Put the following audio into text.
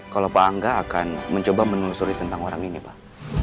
kalau pak angga akan mencoba menelusuri tentang orang ini pak